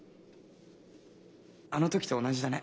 あの時と同じだね。